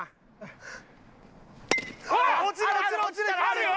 あるよ！